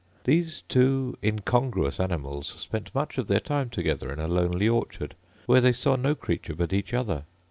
These two incongruous animals spent much of their time together in a lonely orchard, where they saw no creature but each other.